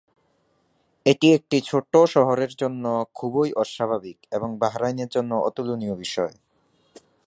এটি একটি ছোট শহরের জন্য খুবই অস্বাভাবিক এবং বাহরাইনের জন্য অতুলনীয় বিষয়।